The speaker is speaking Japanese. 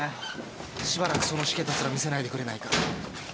しばらくそのしけた面見せないでくれないか。